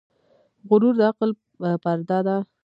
غرور د عقل پرده ده .